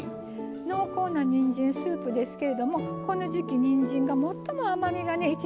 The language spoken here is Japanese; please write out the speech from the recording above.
濃厚なにんじんスープですけれどもこの時期にんじんが最も甘みがね